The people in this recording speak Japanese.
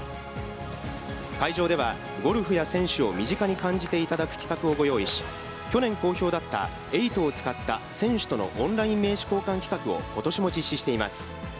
会場では、ゴルフや選手を身近に感じていただく企画をご用意し、去年好評だった「Ｅｉｇｈｔ」を使った「選手とのオンライン名刺交換」企画をことしも実施しています。